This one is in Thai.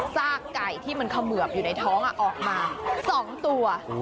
ซากไก่ที่มันเขมือบอยู่ในท้องออกมา๒ตัว